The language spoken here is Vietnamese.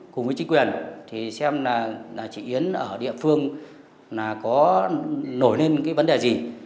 cùng với chính quyền thì xem là chị yến ở địa phương là có nổi lên cái vấn đề gì